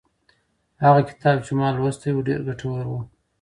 هغه کتاب چې ما لوستی و ډېر ګټور و.